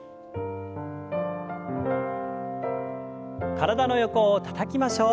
体の横をたたきましょう。